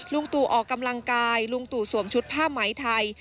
ตู่ออกกำลังกายลุงตู่สวมชุดผ้าไหมไทย